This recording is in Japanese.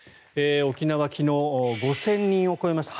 沖縄、昨日５０００人を超えました。